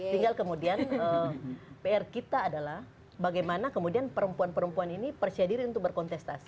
tinggal kemudian pr kita adalah bagaimana kemudian perempuan perempuan ini percaya diri untuk berkontestasi